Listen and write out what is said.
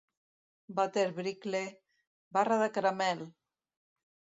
Butter Brickle... barra de caramel!